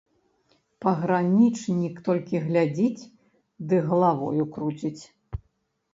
Пагранічнік толькі глядзіць ды галавою круціць.